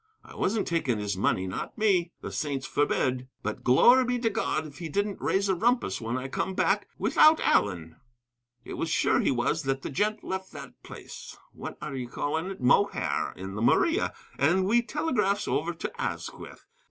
I wasn't taking his money, not me; the saints forbid! But glory be to God, if he didn't raise a rumpus whin I come back without Allen! It was sure he was that the gent left that place, what are ye calling it? Mohair, in the Maria, and we telegraphs over to Asquith.